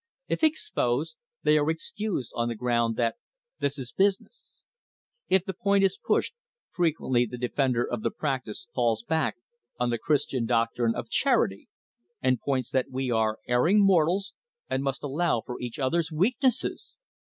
If exposed, they are excused on the ground that this is business. If the point is pushed, frequently the defender of the practice falls back on the Christian doc trine of charity, and points that we are erring mortals and THE HISTORY OF THE STANDARD OIL COMPANY must allow for each other's weaknesses!